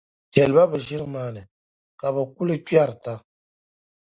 Chεliba bɛ ʒiri maa ni, ka bɛ kuli kpiɛrita.